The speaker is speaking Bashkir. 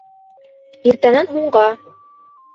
Иртәнән һуңға.